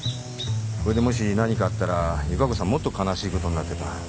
これでもし何かあったら由加子さんもっと悲しいことになってた。